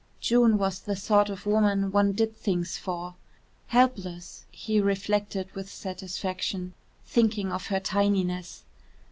June was the sort of woman one did things for. Helpless, he reflected with satisfaction, thinking of her tininess.